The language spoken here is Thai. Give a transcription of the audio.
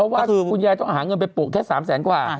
ว่าคุณยายต้องหาเงินไปปลูกแค่๓แสนกว่า